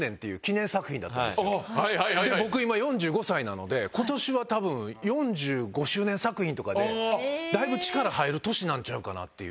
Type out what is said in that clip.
で僕今４５歳なので今年は多分４５周年作品とかでだいぶ力入る年なんちゃうかなっていう。